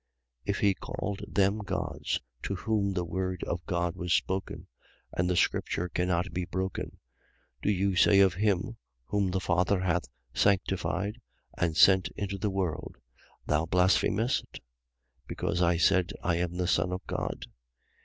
10:35. If he called them gods to whom the word of God was spoken; and the scripture cannot be broken: 10:36. Do you say of him whom the Father hath sanctified and sent into the world: Thou blasphemest; because I said: I am the Son of God?